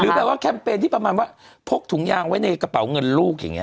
แบบว่าแคมเปญที่ประมาณว่าพกถุงยางไว้ในกระเป๋าเงินลูกอย่างนี้